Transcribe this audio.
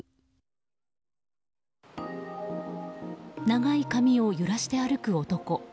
長い髪を揺らして歩く男。